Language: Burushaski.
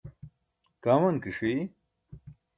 kaman ke ṣi